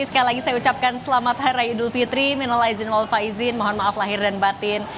sekali lagi saya ucapkan selamat hari idul fitri mino laizin wal faizin mohon maaf lahir dan batin